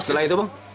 setelah itu bang